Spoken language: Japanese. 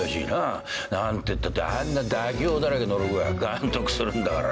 なんてったってあんな妥協だらけの６話監督するんだから。